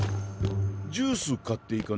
ジュース買っていかない？